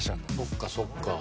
そっかそっか。